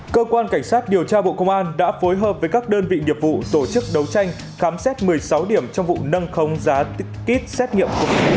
cơ quan cảnh sát điều tra bộ công an đã phối hợp với các đơn vị điệp vụ tổ chức đấu tranh khám xét một mươi sáu điểm trong vụ nâng không giá kít xét nghiệm